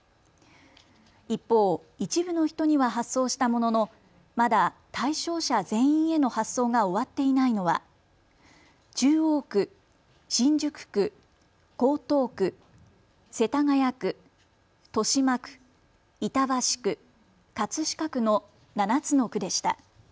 一方、一部の人には発送したもののまだ対象者全員への発送が終わっていないのは中央区、新宿区、江東区、世田谷区、豊島区、板橋区、葛飾区の７つの区でした。